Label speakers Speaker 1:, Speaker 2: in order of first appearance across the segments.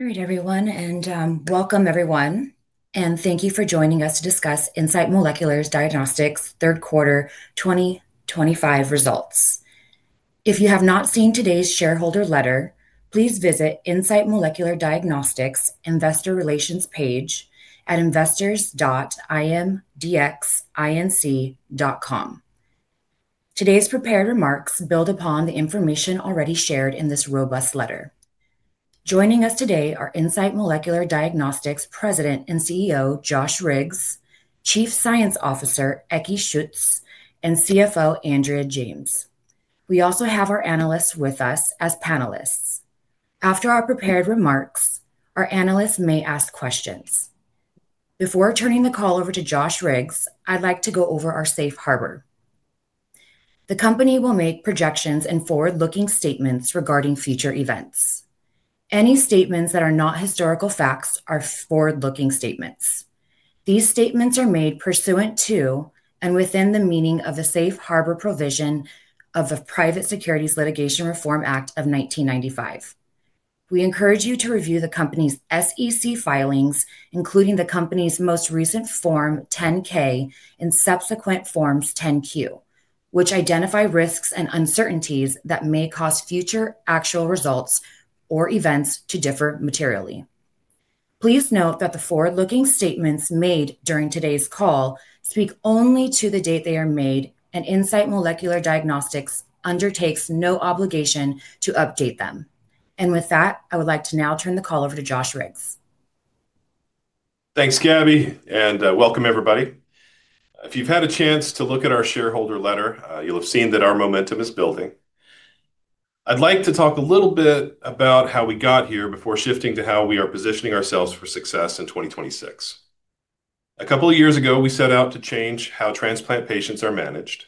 Speaker 1: Great, everyone, and welcome, everyone. Thank you for joining us to discuss Insight Molecular Diagnostics' third quarter 2025 results. If you have not seen today's shareholder letter, please visit Insight Molecular Diagnostics' investor relations page at investors.imdxinc.com. Today's prepared remarks build upon the information already shared in this robust letter. Joining us today are Insight Molecular Diagnostics' President and CEO, Josh Riggs, Chief Science Officer, Ekke Schütz, and CFO, Andrea James. We also have our analysts with us as panelists. After our prepared remarks, our analysts may ask questions. Before turning the call over to Josh Riggs, I'd like to go over our Safe Harbor. The company will make projections and forward-looking statements regarding future events. Any statements that are not historical facts are forward-looking statements. These statements are made pursuant to and within the meaning of the Safe Harbor provision of the Private Securities Litigation Reform Act of 1995. We encourage you to review the company's SEC filings, including the company's most recent Form 10-K and subsequent Forms 10-Q, which identify risks and uncertainties that may cause future actual results or events to differ materially. Please note that the forward-looking statements made during today's call speak only to the date they are made, and Insight Molecular Diagnostics undertakes no obligation to update them. With that, I would like to now turn the call over to Josh Riggs.
Speaker 2: Thanks, Gabby, and welcome, everybody. If you've had a chance to look at our shareholder letter, you'll have seen that our momentum is building. I'd like to talk a little bit about how we got here before shifting to how we are positioning ourselves for success in 2026. A couple of years ago, we set out to change how transplant patients are managed.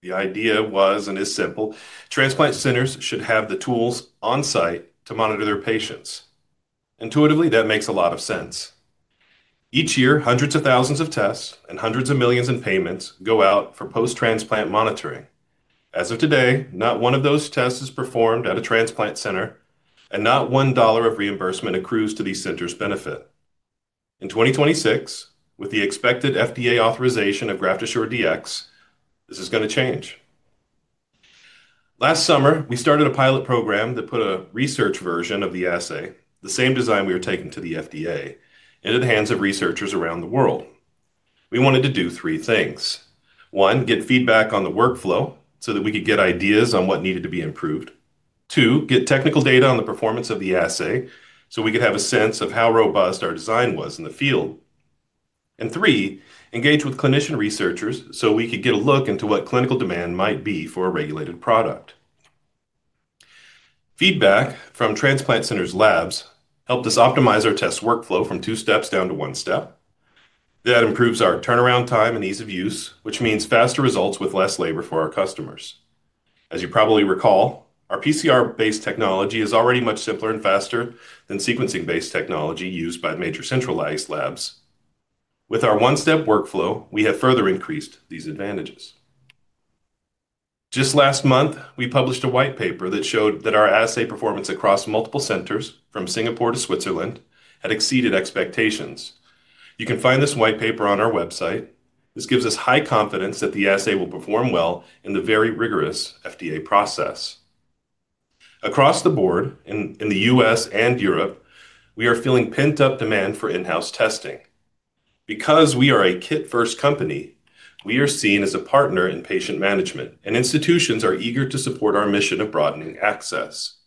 Speaker 2: The idea was and is simple: transplant centers should have the tools on site to monitor their patients. Intuitively, that makes a lot of sense. Each year, hundreds of thousands of tests and hundreds of millions in payments go out for post-transplant monitoring. As of today, not one of those tests is performed at a transplant center, and not one dollar of reimbursement accrues to these centers' benefit. In 2026, with the expected FDA authorization of GraftAssureDx, this is going to change. Last summer, we started a pilot program that put a research version of the assay, the same design we were taking to the FDA, into the hands of researchers around the world. We wanted to do three things. One, get feedback on the workflow so that we could get ideas on what needed to be improved. Two, get technical data on the performance of the assay so we could have a sense of how robust our design was in the field. Three, engage with clinician researchers so we could get a look into what clinical demand might be for a regulated product. Feedback from transplant centers' labs helped us optimize our test workflow from two steps down to one step. That improves our turnaround time and ease of use, which means faster results with less labor for our customers. As you probably recall, our PCR-based technology is already much simpler and faster than sequencing-based technology used by major centralized labs. With our one-step workflow, we have further increased these advantages. Just last month, we published a white paper that showed that our assay performance across multiple centers, from Singapore to Switzerland, had exceeded expectations. You can find this white paper on our website. This gives us high confidence that the assay will perform well in the very rigorous FDA process. Across the board, in the U.S. and Europe, we are feeling pent-up demand for in-house testing. Because we are a kit-first company, we are seen as a partner in patient management, and institutions are eager to support our mission of broadening access.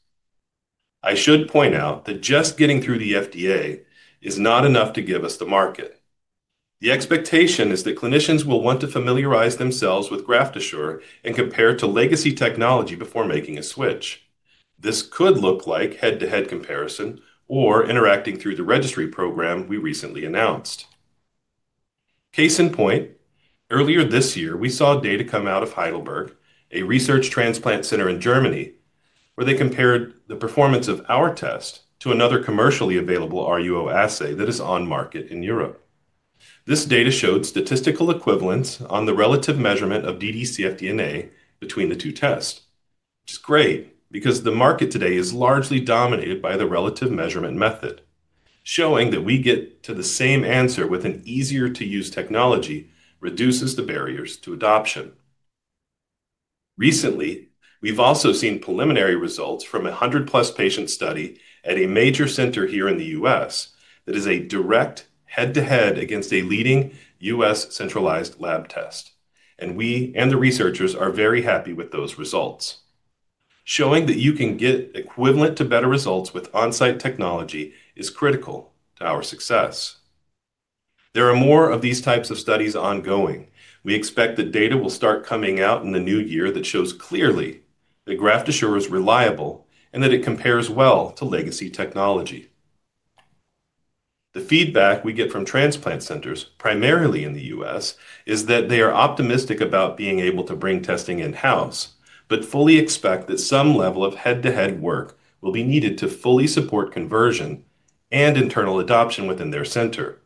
Speaker 2: I should point out that just getting through the FDA is not enough to give us the market. The expectation is that clinicians will want to familiarize themselves with GraftAssure and compare to legacy technology before making a switch. This could look like head-to-head comparison or interacting through the registry program we recently announced. Case in point, earlier this year, we saw data come out of Heidelberg, a research transplant center in Germany, where they compared the performance of our test to another commercially available RUO assay that is on market in Europe. This data showed statistical equivalence on the relative measurement of dd-cfDNA between the two tests, which is great because the market today is largely dominated by the relative measurement method, showing that we get to the same answer with an easier-to-use technology reduces the barriers to adoption. Recently, we've also seen preliminary results from a 100+ patient study at a major center here in the U.S. that is a direct head-to-head against a leading U.S. centralized lab test. We and the researchers are very happy with those results. Showing that you can get equivalent to better results with on-site technology is critical to our success. There are more of these types of studies ongoing. We expect that data will start coming out in the new year that shows clearly that GraftAssure is reliable and that it compares well to legacy technology. The feedback we get from transplant centers, primarily in the U.S., is that they are optimistic about being able to bring testing in-house, but fully expect that some level of head-to-head work will be needed to fully support conversion and internal adoption within their center.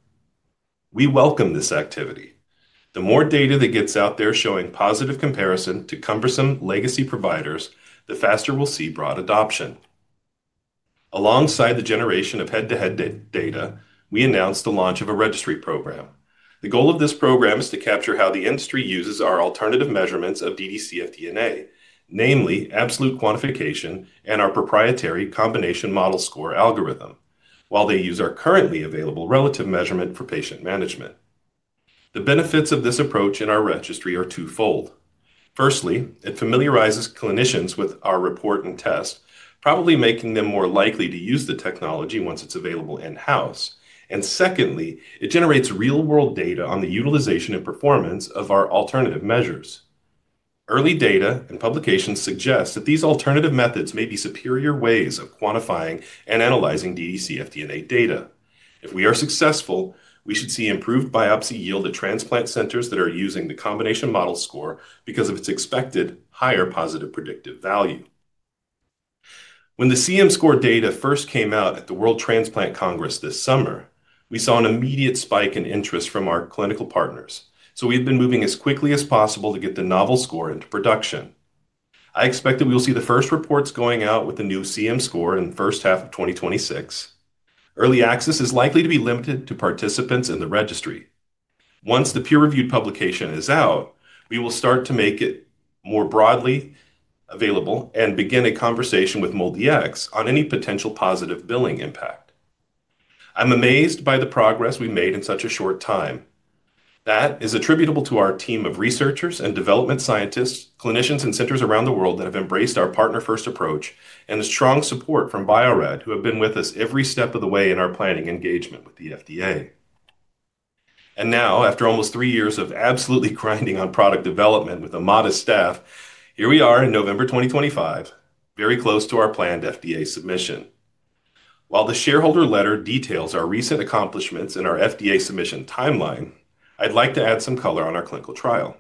Speaker 2: We welcome this activity. The more data that gets out there showing positive comparison to cumbersome legacy providers, the faster we'll see broad adoption. Alongside the generation of head-to-head data, we announced the launch of a registry program. The goal of this program is to capture how the industry uses our alternative measurements of dd-cfDNA, namely absolute quantification and our proprietary combination model score algorithm, while they use our currently available relative measurement for patient management. The benefits of this approach in our registry are twofold. Firstly, it familiarizes clinicians with our report and test, probably making them more likely to use the technology once it's available in-house. Secondly, it generates real-world data on the utilization and performance of our alternative measures. Early data and publications suggest that these alternative methods may be superior ways of quantifying and analyzing dd-cfDNA data. If we are successful, we should see improved biopsy yield at transplant centers that are using the combination model score because of its expected higher positive predictive value. When the CM score data first came out at the World Transplant Congress this summer, we saw an immediate spike in interest from our clinical partners. We've been moving as quickly as possible to get the novel score into production. I expect that we will see the first reports going out with the new CM score in the first half of 2026. Early access is likely to be limited to participants in the registry. Once the peer-reviewed publication is out, we will start to make it more broadly available and begin a conversation with MolDx on any potential positive billing impact. I'm amazed by the progress we made in such a short time. That is attributable to our team of researchers and development scientists, clinicians and centers around the world that have embraced our partner-first approach and the strong support from Bio-Rad, who have been with us every step of the way in our planning engagement with the FDA. Now, after almost three years of absolutely grinding on product development with a modest staff, here we are in November 2025, very close to our planned FDA submission. While the shareholder letter details our recent accomplishments in our FDA submission timeline, I'd like to add some color on our clinical trial.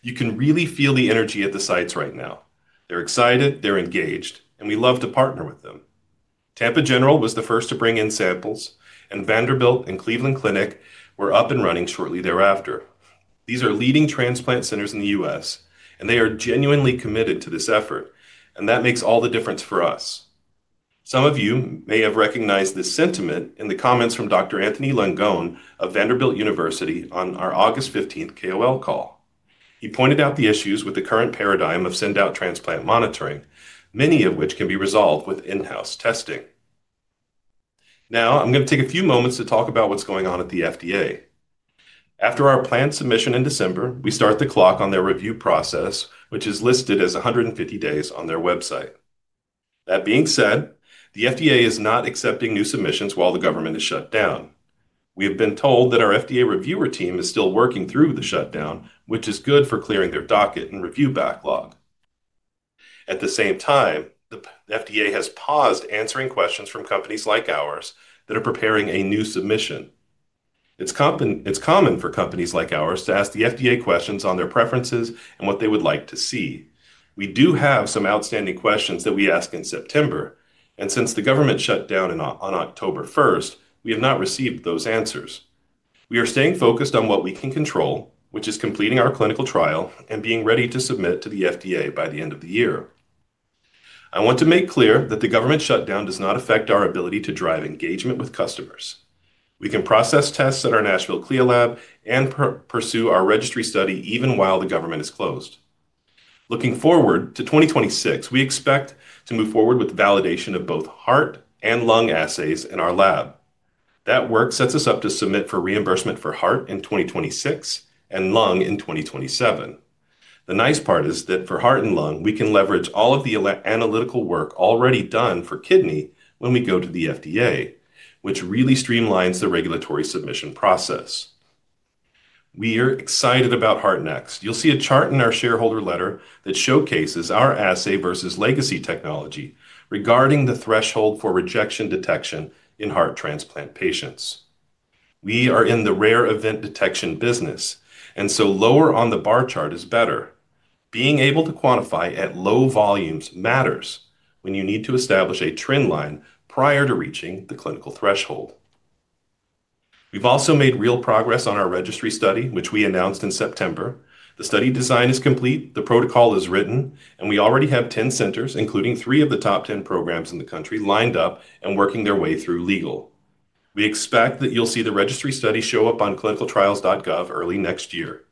Speaker 2: You can really feel the energy at the sites right now. They're excited, they're engaged, and we love to partner with them. Tampa General was the first to bring in samples, and Vanderbilt and Cleveland Clinic were up and running shortly thereafter. These are leading transplant centers in the U.S., and they are genuinely committed to this effort, and that makes all the difference for us. Some of you may have recognized this sentiment in the comments from Dr. Anthony Langone of Vanderbilt University on our August 15th KOL call. He pointed out the issues with the current paradigm of send-out transplant monitoring, many of which can be resolved with in-house testing. Now, I'm going to take a few moments to talk about what's going on at the FDA. After our planned submission in December, we start the clock on their review process, which is listed as 150 days on their website. That being said, the FDA is not accepting new submissions while the government is shut down. We have been told that our FDA reviewer team is still working through the shutdown, which is good for clearing their docket and review backlog. At the same time, the FDA has paused answering questions from companies like ours that are preparing a new submission. It's common for companies like ours to ask the FDA questions on their preferences and what they would like to see. We do have some outstanding questions that we asked in September, and since the government shut down on October 1st, we have not received those answers. We are staying focused on what we can control, which is completing our clinical trial and being ready to submit to the FDA by the end of the year. I want to make clear that the government shutdown does not affect our ability to drive engagement with customers. We can process tests at our Nashville CLIA lab and pursue our registry study even while the government is closed. Looking forward to 2026, we expect to move forward with validation of both heart and lung assays in our lab. That work sets us up to submit for reimbursement for heart in 2026 and lung in 2027. The nice part is that for heart and lung, we can leverage all of the analytical work already done for kidney when we go to the FDA, which really streamlines the regulatory submission process. We are excited about heart next. You'll see a chart in our shareholder letter that showcases our assay versus legacy technology regarding the threshold for rejection detection in heart transplant patients. We are in the rare event detection business, and so lower on the bar chart is better. Being able to quantify at low volumes matters when you need to establish a trend line prior to reaching the clinical threshold. We've also made real progress on our registry study, which we announced in September. The study design is complete, the protocol is written, and we already have 10 centers, including three of the top 10 programs in the country, lined up and working their way through legal. We expect that you'll see the registry study show up on clinicaltrials.gov early next year.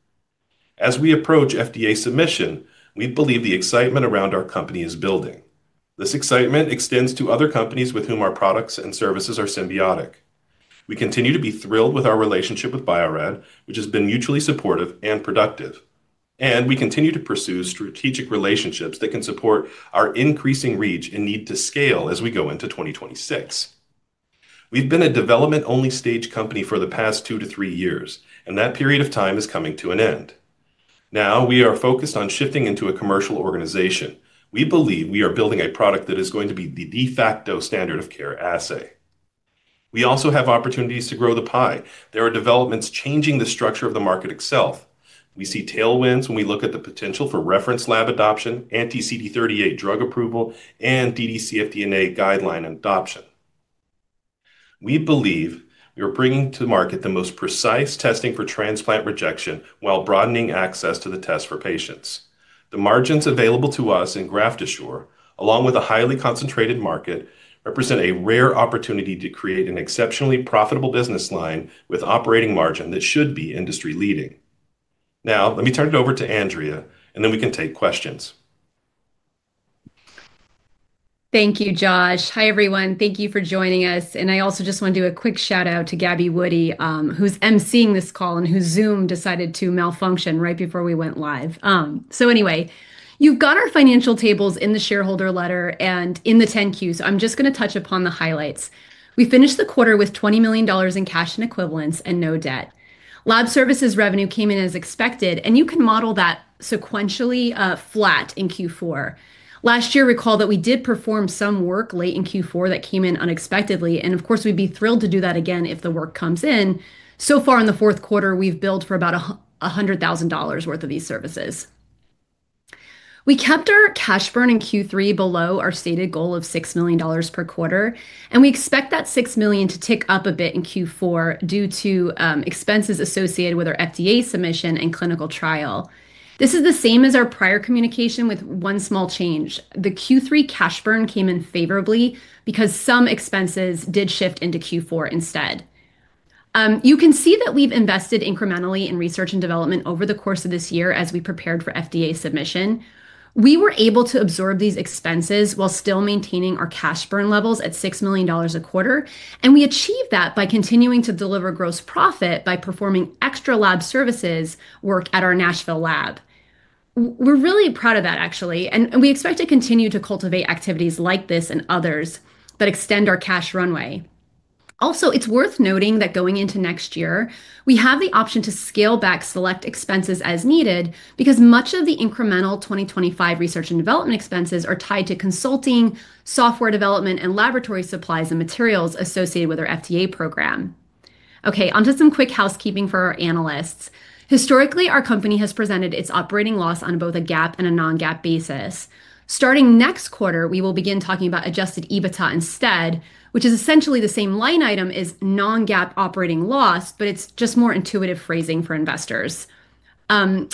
Speaker 2: As we approach FDA submission, we believe the excitement around our company is building. This excitement extends to other companies with whom our products and services are symbiotic. We continue to be thrilled with our relationship with Bio-Rad, which has been mutually supportive and productive. We continue to pursue strategic relationships that can support our increasing reach and need to scale as we go into 2026. We've been a development-only stage company for the past two to three years, and that period of time is coming to an end. Now we are focused on shifting into a commercial organization. We believe we are building a product that is going to be the de facto standard of care assay. We also have opportunities to grow the pie. There are developments changing the structure of the market itself. We see tailwinds when we look at the potential for reference lab adoption, anti-CD38 drug approval, and dd-cfDNA guideline adoption. We believe we are bringing to market the most precise testing for transplant rejection while broadening access to the test for patients. The margins available to us in GraftAssure, along with a highly concentrated market, represent a rare opportunity to create an exceptionally profitable business line with operating margin that should be industry-leading. Now, let me turn it over to Andrea, and then we can take questions.
Speaker 3: Thank you, Josh. Hi, everyone. Thank you for joining us. I also just want to do a quick shout-out to Gabby Woody, who's emceeing this call and whose Zoom decided to malfunction right before we went live. Anyway, you've got our financial tables in the shareholder letter and in the 10-Qs. I'm just going to touch upon the highlights. We finished the quarter with $20 million in cash and equivalents and no debt. Lab services revenue came in as expected, and you can model that sequentially flat in Q4. Last year, recall that we did perform some work late in Q4 that came in unexpectedly. Of course, we'd be thrilled to do that again if the work comes in. So far in the fourth quarter, we've billed for about $100,000 worth of these services. We kept our cash burn in Q3 below our stated goal of $6 million per quarter, and we expect that $6 million to tick up a bit in Q4 due to expenses associated with our FDA submission and clinical trial. This is the same as our prior communication with one small change. The Q3 cash burn came in favorably because some expenses did shift into Q4 instead. You can see that we've invested incrementally in research and development over the course of this year as we prepared for FDA submission. We were able to absorb these expenses while still maintaining our cash burn levels at $6 million a quarter, and we achieved that by continuing to deliver gross profit by performing extra lab services work at our Nashville lab. We're really proud of that, actually, and we expect to continue to cultivate activities like this and others that extend our cash runway. Also, it's worth noting that going into next year, we have the option to scale back select expenses as needed because much of the incremental 2025 research and development expenses are tied to consulting, software development, and laboratory supplies and materials associated with our FDA program. Okay, onto some quick housekeeping for our analysts. Historically, our company has presented its operating loss on both a GAAP and a non-GAAP basis. Starting next quarter, we will begin talking about adjusted EBITDA instead, which is essentially the same line item as non-GAAP operating loss, but it's just more intuitive phrasing for investors.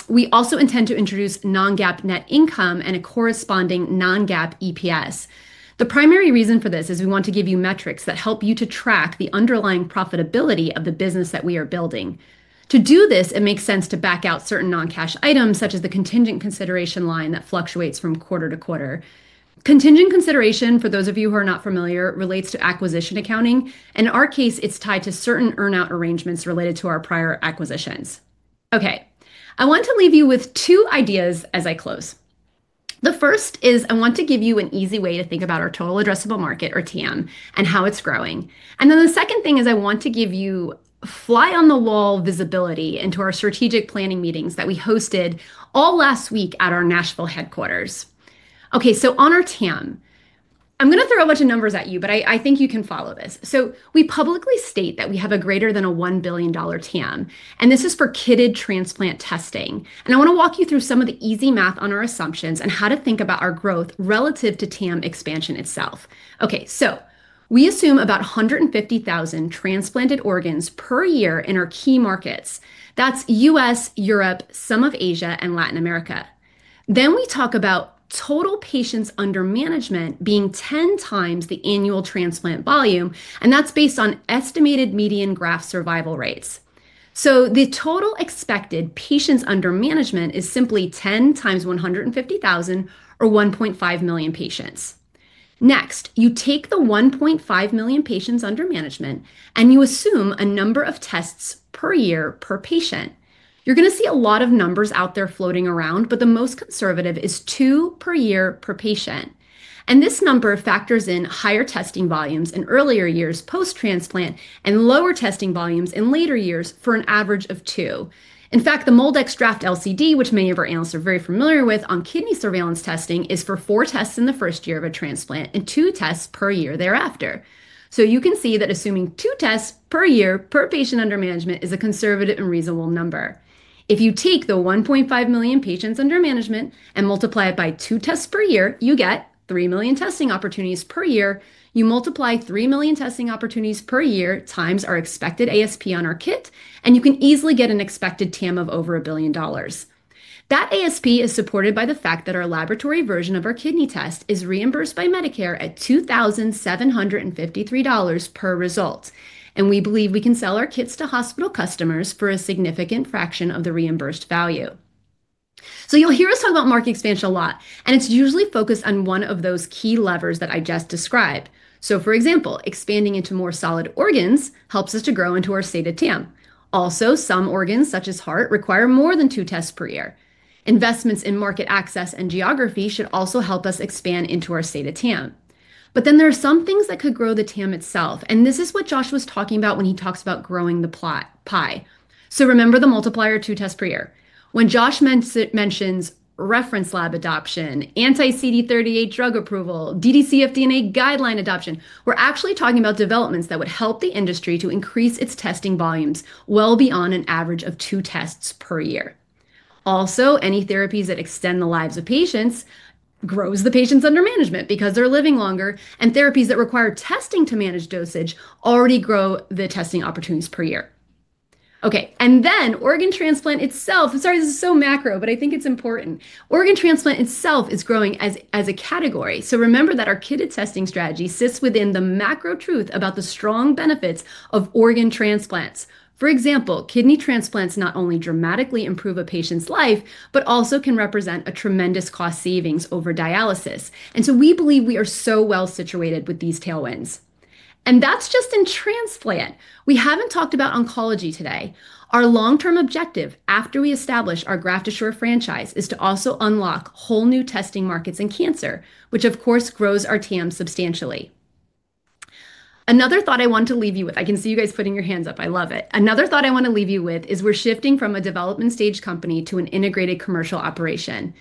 Speaker 3: We also intend to introduce non-GAAP net income and a corresponding non-GAAP EPS. The primary reason for this is we want to give you metrics that help you to track the underlying profitability of the business that we are building. To do this, it makes sense to back out certain non-cash items, such as the contingent consideration line that fluctuates from quarter to quarter. Contingent consideration, for those of you who are not familiar, relates to acquisition accounting. In our case, it's tied to certain earnout arrangements related to our prior acquisitions. Okay, I want to leave you with two ideas as I close. The first is I want to give you an easy way to think about our total addressable market, or TAM, and how it's growing. The second thing is I want to give you fly-on-the-wall visibility into our strategic planning meetings that we hosted all last week at our Nashville headquarters. Okay, on our TAM, I'm going to throw a bunch of numbers at you, but I think you can follow this. We publicly state that we have a greater than $1 billion TAM, and this is for kitted transplant testing. I want to walk you through some of the easy math on our assumptions and how to think about our growth relative to TAM expansion itself. Okay, we assume about 150,000 transplanted organs per year in our key markets. That's U.S., Europe, some of Asia, and Latin America. We talk about total patients under management being 10x the annual transplant volume, and that's based on estimated median graft survival rates. The total expected patients under management is simply 10 x 150,000 or 1.5 million patients. Next, you take the 1.5 million patients under management, and you assume a number of tests per year per patient. You're going to see a lot of numbers out there floating around, but the most conservative is two per year per patient. This number factors in higher testing volumes in earlier years post-transplant and lower testing volumes in later years for an average of two. In fact, the MolDx draft LCD, which many of our analysts are very familiar with on kidney surveillance testing, is for four tests in the first year of a transplant and two tests per year thereafter. You can see that assuming two tests per year per patient under management is a conservative and reasonable number. If you take the 1.5 million patients under management and multiply it by two tests per year, you get 3 million testing opportunities per year. You multiply 3 million testing opportunities per year times our expected ASP on our kit, and you can easily get an expected TAM of over $1 billion. That ASP is supported by the fact that our laboratory version of our kidney test is reimbursed by Medicare at $2,753 per result, and we believe we can sell our kits to hospital customers for a significant fraction of the reimbursed value. You'll hear us talk about market expansion a lot, and it's usually focused on one of those key levers that I just described. For example, expanding into more solid organs helps us to grow into our state of TAM. Also, some organs, such as heart, require more than two tests per year. Investments in market access and geography should also help us expand into our state of TAM. There are some things that could grow the TAM itself, and this is what Josh was talking about when he talks about growing the pie. Remember the multiplier of two tests per year. When Josh mentions reference lab adoption, anti-CD38 drug approval, dd-cfDNA guideline adoption, we're actually talking about developments that would help the industry to increase its testing volumes well beyond an average of two tests per year. Also, any therapies that extend the lives of patients grow the patients under management because they're living longer, and therapies that require testing to manage dosage already grow the testing opportunities per year. Okay, organ transplant itself, sorry, this is so macro, but I think it's important. Organ transplant itself is growing as a category. Remember that our kitted testing strategy sits within the macro truth about the strong benefits of organ transplants. For example, kidney transplants not only dramatically improve a patient's life, but also can represent a tremendous cost savings over dialysis. We believe we are so well situated with these tailwinds. That's just in transplant. We haven't talked about oncology today. Our long-term objective after we establish our GraftAssure franchise is to also unlock whole new testing markets in cancer, which of course grows our TAM substantially. Another thought I want to leave you with, I can see you guys putting your hands up. I love it. Another thought I want to leave you with is we're shifting from a development-stage company to an integrated commercial operation.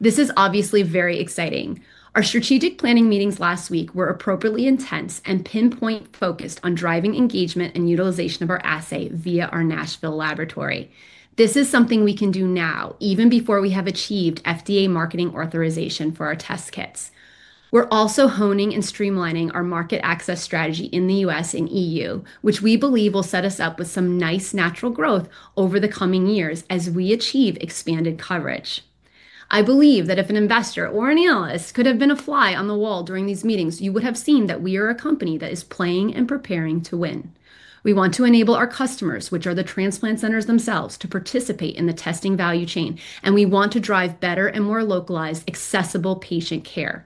Speaker 3: This is obviously very exciting. Our strategic planning meetings last week were appropriately intense and pinpoint-focused on driving engagement and utilization of our assay via our Nashville laboratory. This is something we can do now, even before we have achieved FDA marketing authorization for our test kits. We're also honing and streamlining our market access strategy in the U.S. and EU, which we believe will set us up with some nice natural growth over the coming years as we achieve expanded coverage. I believe that if an investor or an analyst could have been a fly on the wall during these meetings, you would have seen that we are a company that is playing and preparing to win. We want to enable our customers, which are the transplant centers themselves, to participate in the testing value chain, and we want to drive better and more localized, accessible patient care.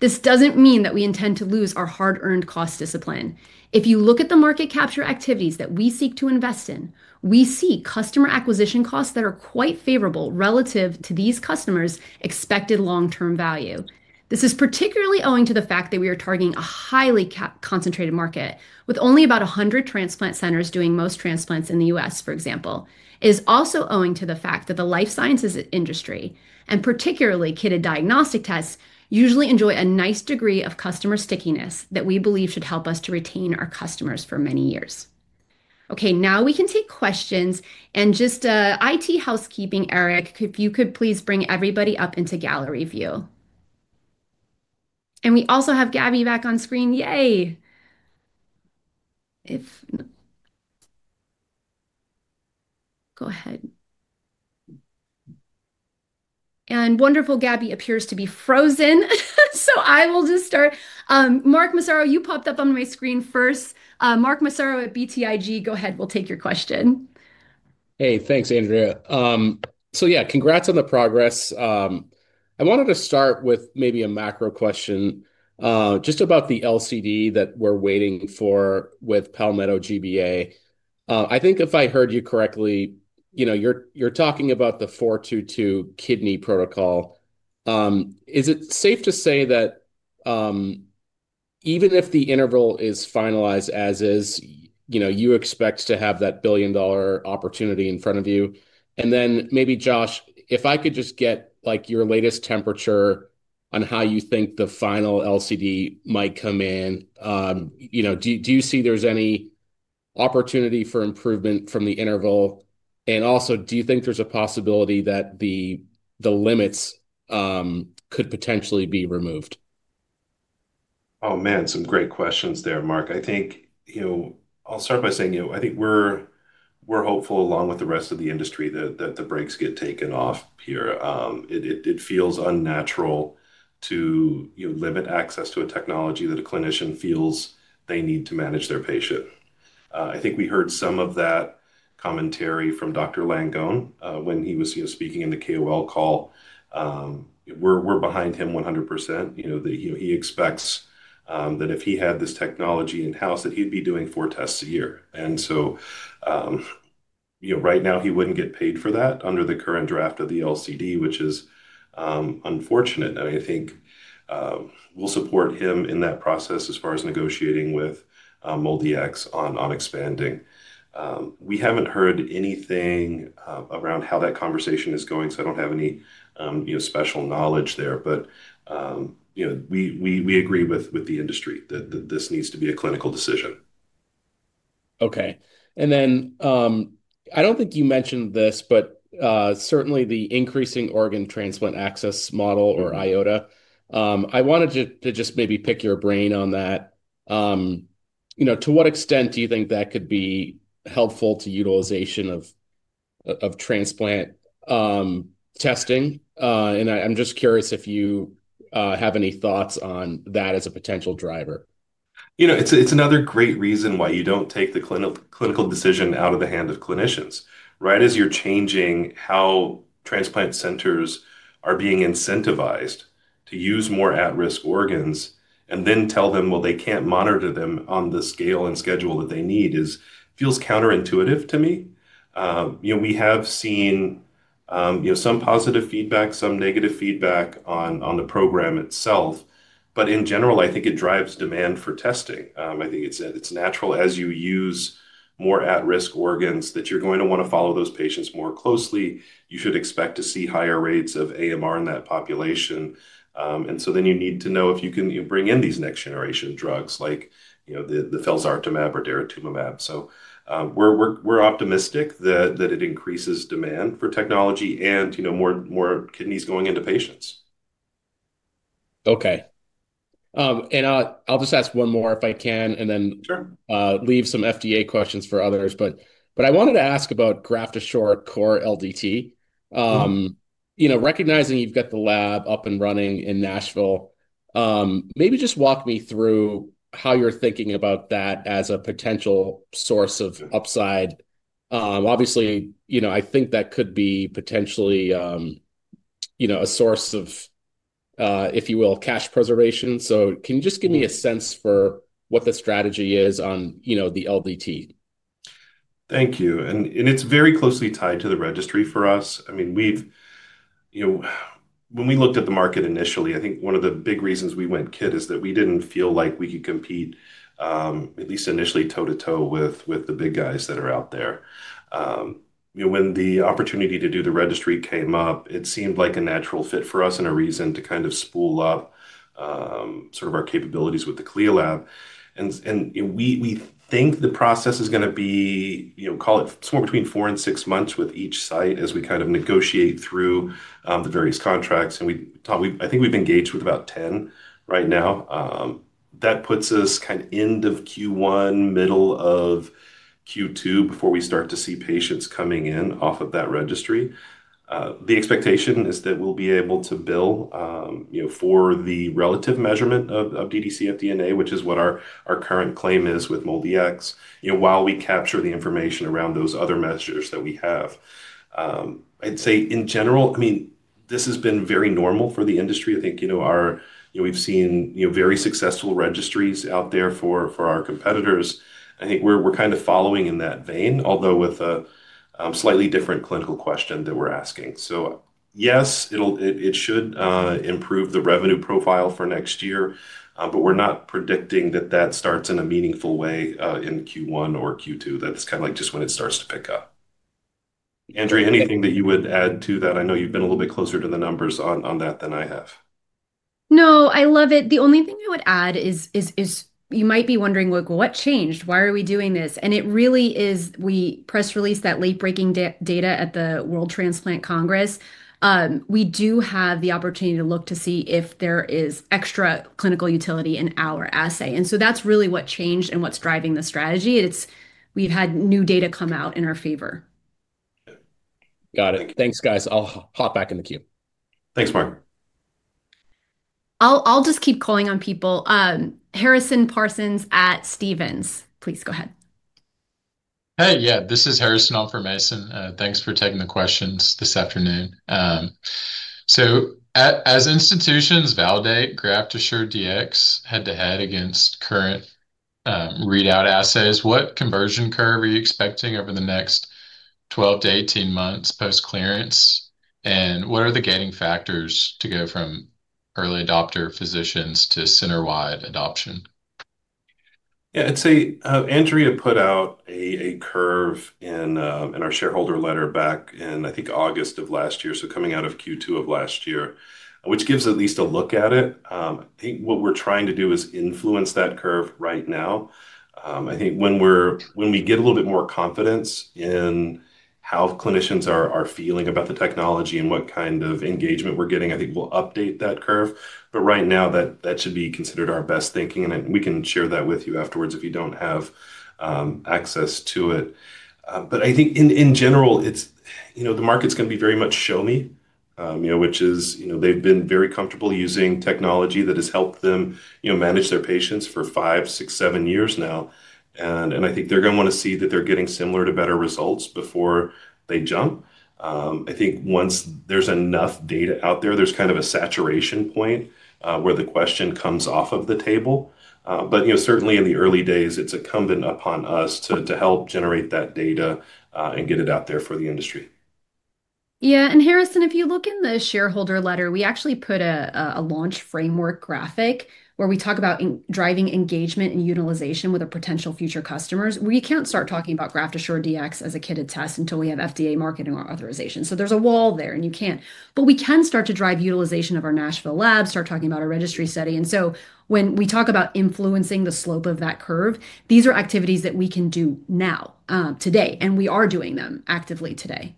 Speaker 3: This does not mean that we intend to lose our hard-earned cost discipline. If you look at the market capture activities that we seek to invest in, we see customer acquisition costs that are quite favorable relative to these customers' expected long-term value. This is particularly owing to the fact that we are targeting a highly concentrated market, with only about 100 transplant centers doing most transplants in the US, for example. It is also owing to the fact that the life sciences industry, and particularly kitted diagnostic tests, usually enjoy a nice degree of customer stickiness that we believe should help us to retain our customers for many years. Okay, now we can take questions and just IT housekeeping, Eric, if you could please bring everybody up into gallery view. We also have Gabby back on screen. Yay. If—go ahead. Wonderful, Gabby appears to be frozen. I will just start. Mark Massaro, you popped up on my screen first. Mark Massaro at BTIG, go ahead. We'll take your question.
Speaker 4: Hey, thanks, Andrea. So yeah, congrats on the progress. I wanted to start with maybe a macro question just about the LCD that we're waiting for with Palmetto GBA. I think if I heard you correctly, you're talking about the 422 kidney protocol. Is it safe to say that even if the interval is finalized as is, you expect to have that billion-dollar opportunity in front of you? Maybe, Josh, if I could just get your latest temperature on how you think the final LCD might come in, do you see there's any opportunity for improvement from the interval? Also, do you think there's a possibility that the limits could potentially be removed?
Speaker 2: Oh, man, some great questions there, Mark. I think I'll start by saying I think we're hopeful, along with the rest of the industry, that the brakes get taken off here. It feels unnatural to limit access to a technology that a clinician feels they need to manage their patient. I think we heard some of that commentary from Dr. Langone when he was speaking in the KOL call. We're behind him 100%. He expects that if he had this technology in-house, that he'd be doing four tests a year. Right now, he wouldn't get paid for that under the current draft of the LCD, which is unfortunate. I think we'll support him in that process as far as negotiating with MolDx on expanding. We haven't heard anything around how that conversation is going, so I don't have any special knowledge there. We agree with the industry that this needs to be a clinical decision.
Speaker 4: Okay. I don't think you mentioned this, but certainly the Increasing Organ Transplant Access Model or IOTA, I wanted to just maybe pick your brain on that. To what extent do you think that could be helpful to utilization of transplant testing? I'm just curious if you have any thoughts on that as a potential driver.
Speaker 2: It's another great reason why you don't take the clinical decision out of the hand of clinicians, right, as you're changing how transplant centers are being incentivized to use more at-risk organs and then tell them they can't monitor them on the scale and schedule that they need, feels counterintuitive to me. We have seen some positive feedback, some negative feedback on the program itself. In general, I think it drives demand for testing. I think it's natural as you use more at-risk organs that you're going to want to follow those patients more closely. You should expect to see higher rates of AMR in that population. Then you need to know if you can bring in these next-generation drugs like the felzartamab or daratumumab. We're optimistic that it increases demand for technology and more kidneys going into patients.
Speaker 4: Okay. I'll just ask one more if I can and then leave some FDA questions for others. I wanted to ask about GraftAssureCore LDT. Recognizing you've got the lab up and running in Nashville, maybe just walk me through how you're thinking about that as a potential source of upside. Obviously, I think that could be potentially a source of, if you will, cash preservation. Can you just give me a sense for what the strategy is on the LDT?
Speaker 2: Thank you. It's very closely tied to the registry for us. I mean, when we looked at the market initially, I think one of the big reasons we went kit is that we didn't feel like we could compete, at least initially, toe-to-toe with the big guys that are out there. When the opportunity to do the registry came up, it seemed like a natural fit for us and a reason to kind of spool up sort of our capabilities with the CLIA lab. We think the process is going to be, call it somewhere between four and six months with each site as we kind of negotiate through the various contracts. I think we've engaged with about 10 right now. That puts us kind of end of Q1, middle of Q2 before we start to see patients coming in off of that registry. The expectation is that we'll be able to bill for the relative measurement of dd-cfDNA, which is what our current claim is with MolDx, while we capture the information around those other measures that we have. I'd say in general, I mean, this has been very normal for the industry. I think we've seen very successful registries out there for our competitors. I think we're kind of following in that vein, although with a slightly different clinical question that we're asking. Yes, it should improve the revenue profile for next year, but we're not predicting that that starts in a meaningful way in Q1 or Q2. That's kind of like just when it starts to pick up. Andrea, anything that you would add to that? I know you've been a little bit closer to the numbers on that than I have.
Speaker 3: No, I love it. The only thing I would add is you might be wondering, "What changed? Why are we doing this?" It really is we press released that late-breaking data at the World Transplant Congress. We do have the opportunity to look to see if there is extra clinical utility in our assay. That's really what changed and what's driving the strategy. We've had new data come out in our favor.
Speaker 4: Got it. Thanks, guys. I'll hop back in the queue.
Speaker 2: Thanks, Mark.
Speaker 3: I'll just keep calling on people. Harrison Parsons at Stephens, please go ahead.
Speaker 5: Hey, yeah, this is Harrison on for Mason. Thanks for taking the questions this afternoon. As institutions validate GraftAssureDx head-to-head against current readout assays, what conversion curve are you expecting over the next 12-18 months post-clearance? What are the gating factors to go from early adopter physicians to center-wide adoption?
Speaker 2: I'd say Andrea put out a curve in our shareholder letter back in, I think, August of last year, so coming out of Q2 of last year, which gives at least a look at it. I think what we're trying to do is influence that curve right now. I think when we get a little bit more confidence in how clinicians are feeling about the technology and what kind of engagement we're getting, I think we'll update that curve. Right now, that should be considered our best thinking. We can share that with you afterwards if you don't have access to it. I think in general, the market's going to be very much show me, which is they've been very comfortable using technology that has helped them manage their patients for five, six, seven years now. I think they're going to want to see that they're getting similar to better results before they jump. I think once there's enough data out there, there's kind of a saturation point where the question comes off of the table. Certainly in the early days, it's incumbent upon us to help generate that data and get it out there for the industry.
Speaker 3: Yeah. Harrison, if you look in the shareholder letter, we actually put a launch framework graphic where we talk about driving engagement and utilization with potential future customers. We can't start talking about GraftAssureDx as a kitted test until we have FDA marketing authorization. There is a wall there, and you can't. We can start to drive utilization of our Nashville lab, start talking about a registry study. When we talk about influencing the slope of that curve, these are activities that we can do now, today, and we are doing them actively today.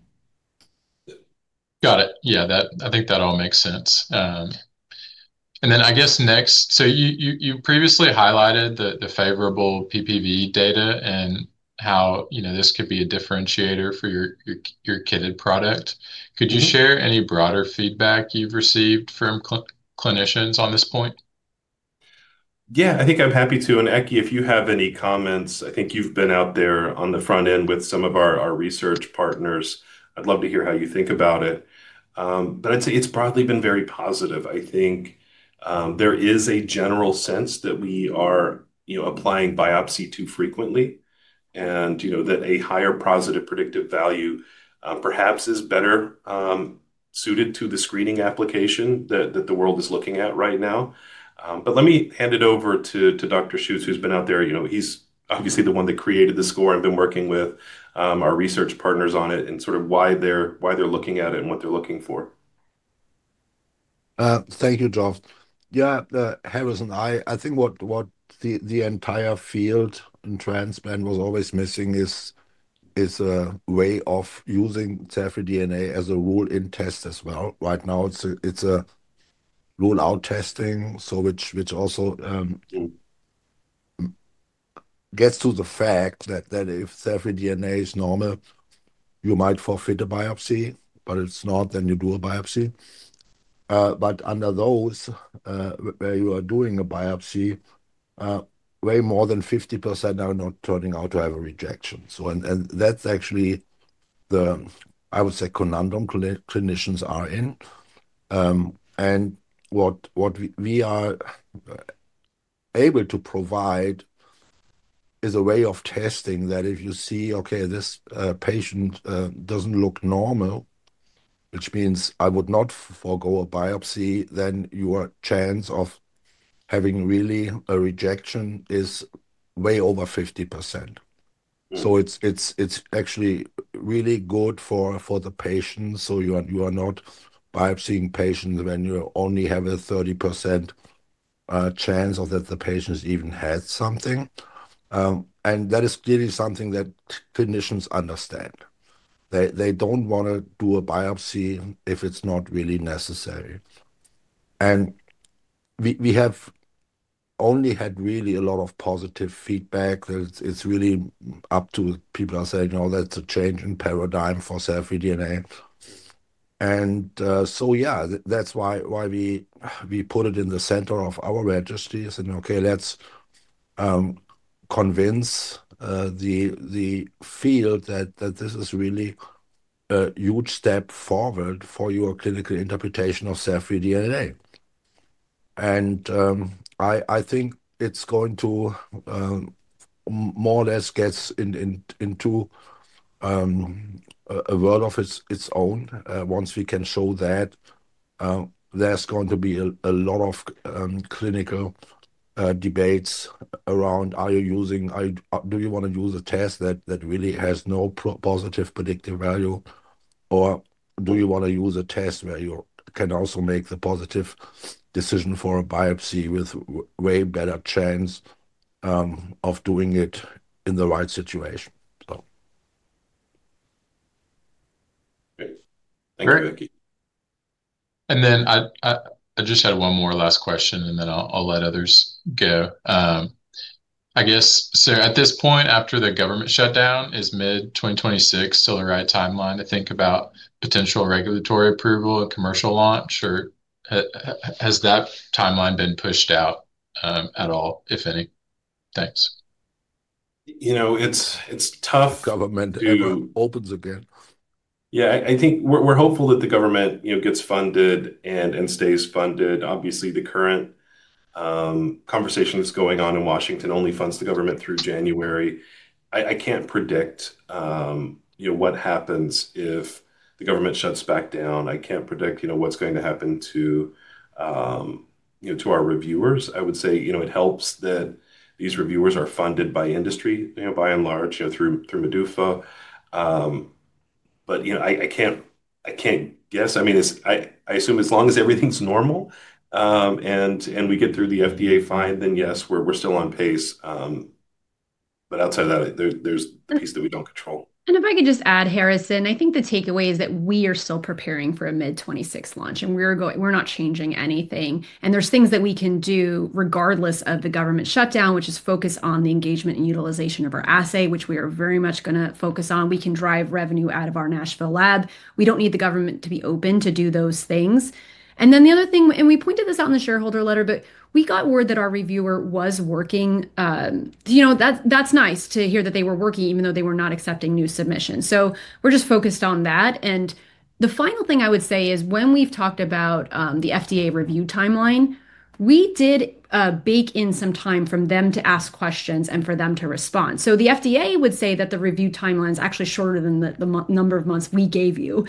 Speaker 5: Got it. Yeah, I think that all makes sense. I guess next, you previously highlighted the favorable PPV data and how this could be a differentiator for your kitted product. Could you share any broader feedback you've received from clinicians on this point?
Speaker 2: Yeah, I think I'm happy to. And Ekke, if you have any comments, I think you've been out there on the front end with some of our research partners. I'd love to hear how you think about it. I'd say it's broadly been very positive. I think there is a general sense that we are applying biopsy too frequently and that a higher positive predictive value perhaps is better suited to the screening application that the world is looking at right now. Let me hand it over to Dr. Schütz, who's been out there. He's obviously the one that created the score and been working with our research partners on it and sort of why they're looking at it and what they're looking for.
Speaker 6: Thank you, Josh. Yeah, Harrison, I think what the entire field in transplant was always missing is a way of using cell-free DNA as a rule-in test as well. Right now, it's a rule-out testing, which also gets to the fact that if cell-free DNA is normal, you might forfeit a biopsy. If it's not, then you do a biopsy. Under those where you are doing a biopsy, way more than 50% are not turning out to have a rejection. That's actually the, I would say, conundrum clinicians are in. What we are able to provide is a way of testing that if you see, okay, this patient does not look normal, which means I would not forgo a biopsy, then your chance of having really a rejection is way over 50%. It is actually really good for the patient. You are not biopsying patients when you only have a 30% chance that the patient has even had something. That is clearly something that clinicians understand. They do not want to do a biopsy if it is not really necessary. We have only had really a lot of positive feedback. It's really up to people are saying, "Oh, that's a change in paradigm for cell-free DNA." Yeah, that's why we put it in the center of our registries and, okay, let's convince the field that this is really a huge step forward for your clinical interpretation of cell-free DNA. I think it's going to more or less get into a world of its own. Once we can show that, there's going to be a lot of clinical debates around, "Are you using—do you want to use a test that really has no positive predictive value? Or do you want to use a test where you can also make the positive decision for a biopsy with way better chance of doing it in the right situation?"
Speaker 2: Great. Thank you, Ekke.
Speaker 5: I just had one more last question, and then I'll let others go. I guess, sir, at this point, after the government shutdown, is mid-2026 still the right timeline to think about potential regulatory approval and commercial launch? Or has that timeline been pushed out at all, if any? Thanks.
Speaker 2: It's tough.
Speaker 6: Government opens again.
Speaker 2: Yeah, I think we're hopeful that the government gets funded and stays funded. Obviously, the current conversation that's going on in Washington only funds the government through January. I can't predict what happens if the government shuts back down. I can't predict what's going to happen to our reviewers. I would say it helps that these reviewers are funded by industry, by and large, through Medufa. I can't guess. I mean, I assume as long as everything's normal and we get through the FDA fine, then yes, we're still on pace. Outside of that, there's the pace that we don't control.
Speaker 3: If I could just add, Harrison, I think the takeaway is that we are still preparing for a mid-2026 launch, and we're not changing anything. There are things that we can do regardless of the government shutdown, which is focus on the engagement and utilization of our assay, which we are very much going to focus on. We can drive revenue out of our Nashville lab. We do not need the government to be open to do those things. The other thing, and we pointed this out in the shareholder letter, is that we got word that our reviewer was working. That is nice to hear that they were working, even though they were not accepting new submissions. We are just focused on that. The final thing I would say is when we've talked about the FDA review timeline, we did bake in some time for them to ask questions and for them to respond. The FDA would say that the review timeline is actually shorter than the number of months we gave you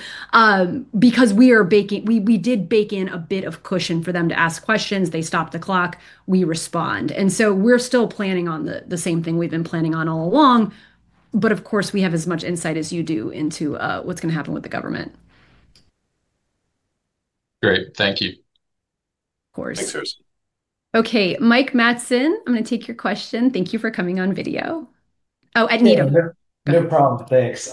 Speaker 3: because we did bake in a bit of cushion for them to ask questions. They stop the clock. We respond. We are still planning on the same thing we've been planning on all along. Of course, we have as much insight as you do into what's going to happen with the government.
Speaker 5: Great. Thank you.
Speaker 3: Of course.
Speaker 2: Thanks, Harrison.
Speaker 3: Okay. Mike Matson, I'm going to take your question. Thank you for coming on video. Oh, at Needham.
Speaker 7: No problem. Thanks.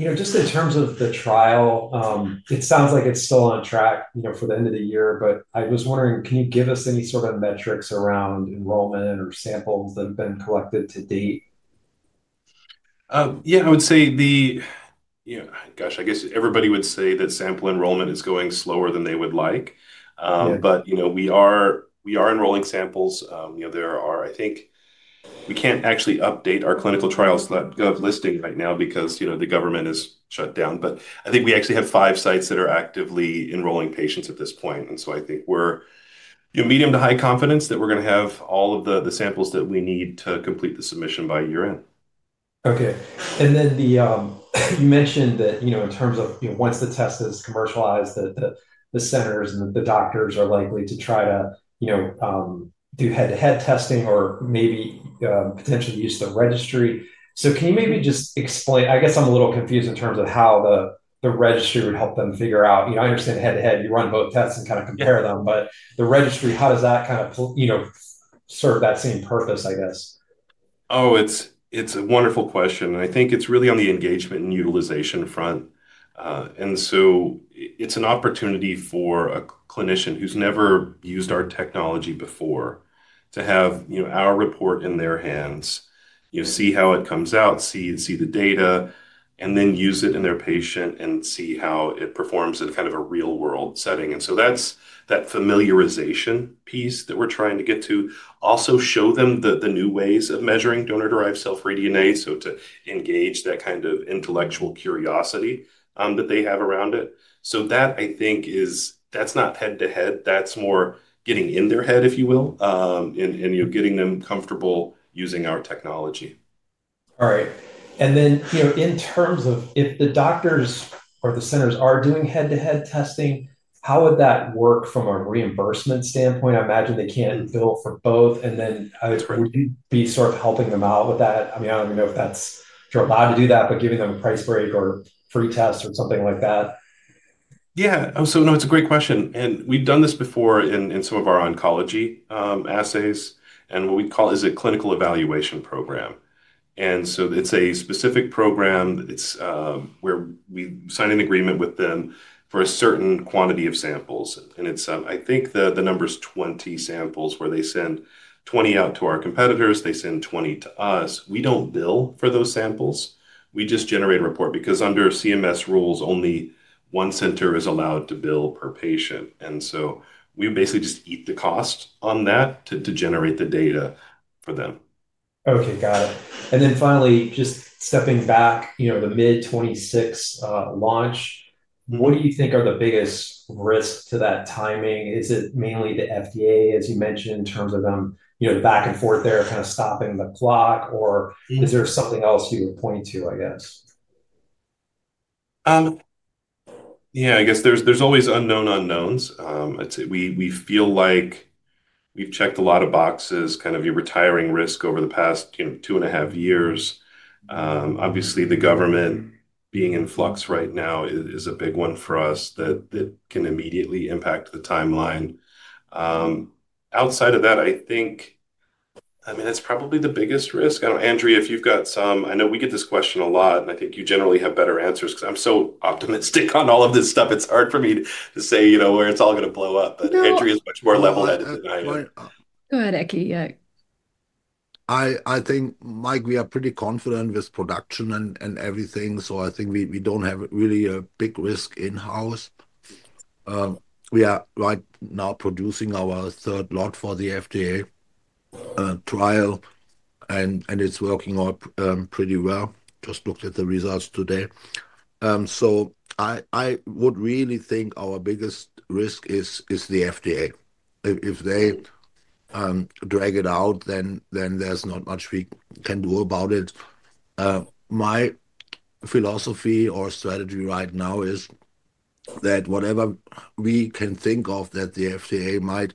Speaker 7: Just in terms of the trial, it sounds like it is still on track for the end of the year. I was wondering, can you give us any sort of metrics around enrollment or samples that have been collected to date?
Speaker 2: Yeah, I would say—gosh, I guess everybody would say that sample enrollment is going slower than they would like. We are enrolling samples. I think we cannot actually update our clinical trials listing right now because the government has shut down. I think we actually have five sites that are actively enrolling patients at this point. I think we are medium to high confidence that we are going to have all of the samples that we need to complete the submission by year-end.
Speaker 7: Okay. You mentioned that in terms of once the test is commercialized, the centers and the doctors are likely to try to do head-to-head testing or maybe potentially use the registry. Can you maybe just explain? I guess I'm a little confused in terms of how the registry would help them figure out. I understand head-to-head, you run both tests and kind of compare them. The registry, how does that kind of serve that same purpose, I guess?
Speaker 2: Oh, it's a wonderful question. I think it's really on the engagement and utilization front. It is an opportunity for a clinician who's never used our technology before to have our report in their hands, see how it comes out, see the data, and then use it in their patient and see how it performs in kind of a real-world setting. That's that familiarization piece that we're trying to get to. Also show them the new ways of measuring donor-derived cell-free DNA to engage that kind of intellectual curiosity that they have around it. That, I think, is not head-to-head. That's more getting in their head, if you will, and getting them comfortable using our technology.
Speaker 7: All right. In terms of if the doctors or the centers are doing head-to-head testing, how would that work from a reimbursement standpoint? I imagine they can't bill for both. Would you be sort of helping them out with that? I mean, I don't even know if they're allowed to do that, but giving them a price break or free test or something like that.
Speaker 2: Yeah. It's a great question. We've done this before in some of our oncology assays and what we call, is it clinical evaluation program? It's a specific program where we sign an agreement with them for a certain quantity of samples. I think the number is 20 samples where they send 20 out to our competitors. They send 20 to us. We don't bill for those samples. We just generate a report because under CMS rules, only one center is allowed to bill per patient. We basically just eat the cost on that to generate the data for them.
Speaker 7: Okay. Got it. Finally, just stepping back, the mid-2026 launch, what do you think are the biggest risks to that timing? Is it mainly the FDA, as you mentioned, in terms of them back and forth there kind of stopping the clock, or is there something else you would point to, I guess?
Speaker 2: Yeah, I guess there's always unknown unknowns. We feel like we've checked a lot of boxes, kind of you're retiring risk over the past two and a half years. Obviously, the government being in flux right now is a big one for us that can immediately impact the timeline. Outside of that, I think, I mean, that's probably the biggest risk. I don't know, Andrea, if you've got some—I know we get this question a lot, and I think you generally have better answers because I'm so optimistic on all of this stuff. It's hard for me to say where it's all going to blow up. But Andrea is much more level-headed than I am.
Speaker 3: Go ahead, Ekke. Yeah.
Speaker 6: I think, Mike, we are pretty confident with production and everything. I think we do not have really a big risk in-house. We are right now producing our third lot for the FDA trial, and it is working out pretty well. Just looked at the results today. I would really think our biggest risk is the FDA. If they drag it out, then there is not much we can do about it. My philosophy or strategy right now is that whatever we can think of that the FDA might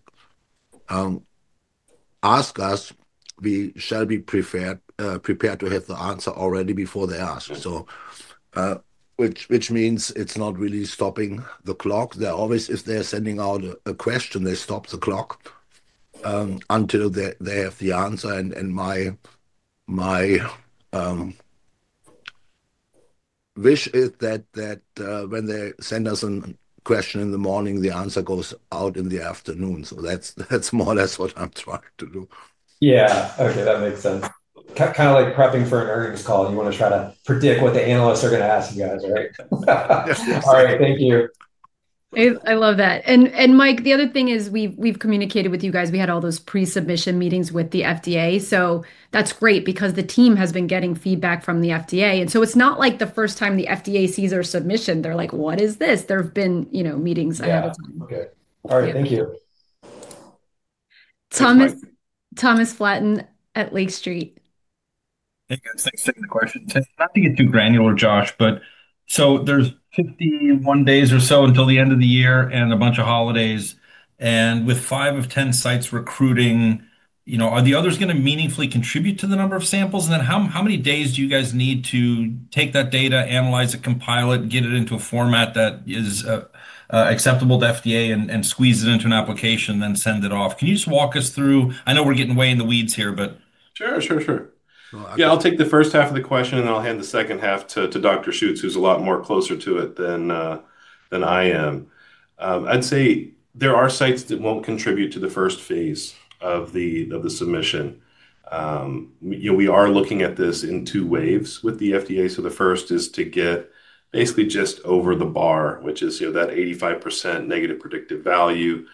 Speaker 6: ask us, we shall be prepared to have the answer already before they ask, which means it is not really stopping the clock. If they are sending out a question, they stop the clock until they have the answer. My wish is that when they send us a question in the morning, the answer goes out in the afternoon. That is more or less what I am trying to do.
Speaker 7: Yeah. Okay. That makes sense. Kind of like prepping for an earnings call. You want to try to predict what the analysts are going to ask you guys, right? All right. Thank you.
Speaker 3: I love that. Mike, the other thing is we have communicated with you guys. We had all those pre-submission meetings with the FDA. That is great because the team has been getting feedback from the FDA. It is not like the first time the FDA sees our submission, they are like, "What is this?" There have been meetings ahead of time.
Speaker 7: Yeah. Okay. All right. Thank you.
Speaker 3: Thomas Flaten at Lake Street.
Speaker 8: Hey, guys. Thanks for taking the question. Not to get too granular, Josh, but there are 51 days or so until the end of the year and a bunch of holidays. With 5 of 10 sites recruiting, are the others going to meaningfully contribute to the number of samples? How many days do you guys need to take that data, analyze it, compile it, get it into a format that is acceptable to FDA, and squeeze it into an application, then send it off? Can you just walk us through? I know we're getting way in the weeds here, but.
Speaker 2: Sure. Sure. Sure. Yeah. I'll take the first half of the question, and I'll hand the second half to Dr. Schütz, who's a lot more closer to it than I am. I'd say there are sites that won't contribute to the first phase of the submission. We are looking at this in two waves with the FDA. The first is to get basically just over the bar, which is that 85% negative predictive value.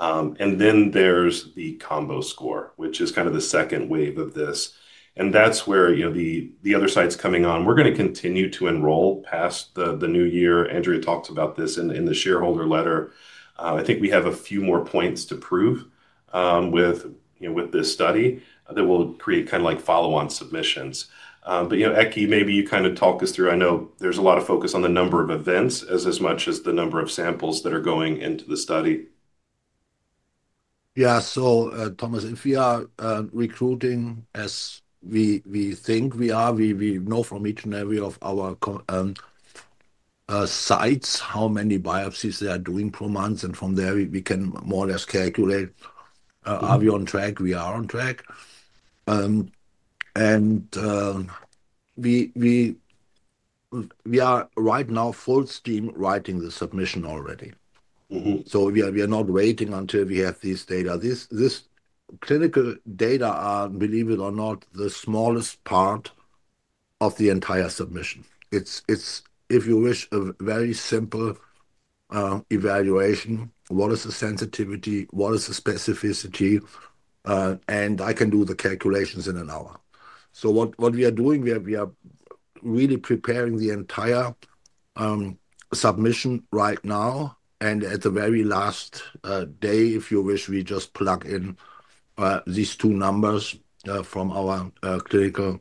Speaker 2: There is the combo score, which is kind of the second wave of this. That is where the other side is coming on. We are going to continue to enroll past the new year. Andrea talked about this in the shareholder letter. I think we have a few more points to prove with this study that will create kind of follow-on submissions. Ekke, maybe you can talk us through. I know there is a lot of focus on the number of events as much as the number of samples that are going into the study.
Speaker 6: Yes. Thomas, if we are recruiting as we think we are, we know from each and every one of our sites how many biopsies they are doing per month. From there, we can more or less calculate, are we on track? We are on track. We are right now full steam writing the submission already. We are not waiting until we have this data. This clinical data are, believe it or not, the smallest part of the entire submission. It's, if you wish, a very simple evaluation. What is the sensitivity? What is the specificity? I can do the calculations in an hour. What we are doing, we are really preparing the entire submission right now. At the very last day, if you wish, we just plug in these two numbers from our clinical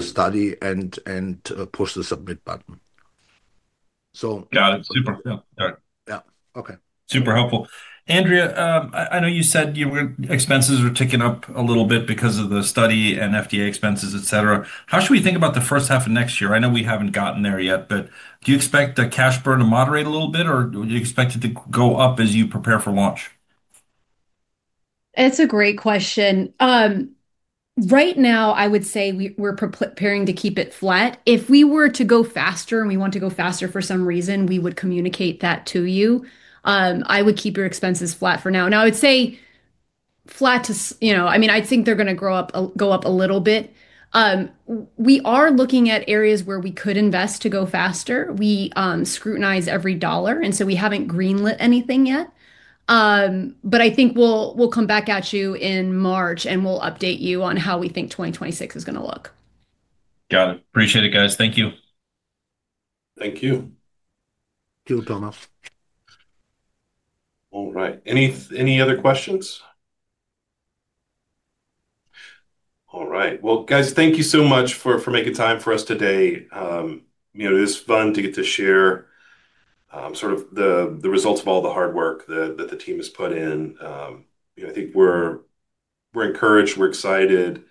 Speaker 6: study and push the submit button. Yeah. Okay.
Speaker 8: Super helpful. Andrea, I know you said your expenses were ticking up a little bit because of the study and FDA expenses, etc. How should we think about the first half of next year? I know we haven't gotten there yet, but do you expect the cash burn to moderate a little bit, or do you expect it to go up as you prepare for launch?
Speaker 3: That's a great question. Right now, I would say we're preparing to keep it flat. If we were to go faster and we want to go faster for some reason, we would communicate that to you. I would keep your expenses flat for now. Now, I would say flat to, I mean, I think they're going to go up a little bit. We are looking at areas where we could invest to go faster. We scrutinize every dollar, and so we haven't greenlit anything yet. But I think we'll come back at you in March, and we'll update you on how we think 2026 is going to look.
Speaker 8: Got it. Appreciate it, guys. Thank you.
Speaker 2: Thank you.
Speaker 6: Thank you, Thomas.
Speaker 2: All right. Any other questions? All right. Guys, thank you so much for making time for us today. It is fun to get to share sort of the results of all the hard work that the team has put in. I think we're encouraged. We're excited.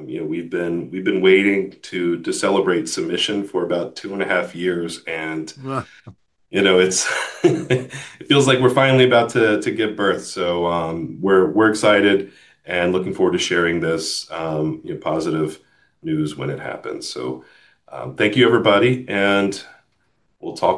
Speaker 2: We've been waiting to celebrate submission for about two and a half years. It feels like we're finally about to give birth. We're excited and looking forward to sharing this positive news when it happens. Thank you, everybody. We'll talk.